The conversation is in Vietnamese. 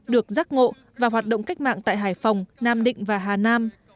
được giác ngộ và hoạt động cách mạng tại hải phòng nam định và hà nam